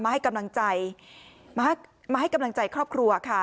ให้กำลังใจมาให้กำลังใจครอบครัวค่ะ